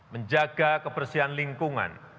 menjaga kebersihan lingkungan